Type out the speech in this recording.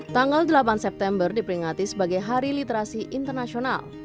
tanggal delapan september diperingati sebagai hari literasi internasional